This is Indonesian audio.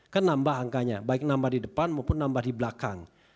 kan nambah angkanya baik nambah di depan maupun nambah di belakang